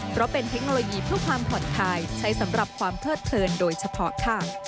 เพราะเป็นเทคโนโลยีเพื่อความผ่อนคลายใช้สำหรับความเพิดเพลินโดยเฉพาะค่ะ